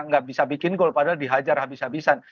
nggak bisa bikin gol padahal dihajar habis habisan